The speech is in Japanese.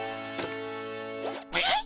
えっ。